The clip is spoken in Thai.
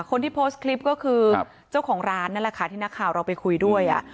คนที่โพสต์คลิปก็คือเจ้าของร้านนั่นแหละค่ะที่นักข่าวเราไปคุยด้วย